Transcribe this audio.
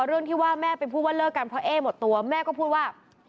เรื่องที่ว่าแม่ไปพูดว่าเลิกกันเพราะเอ๊หมดตัวแม่ก็พูดว่า